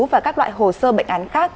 và các loại hồ sơ bệnh án khác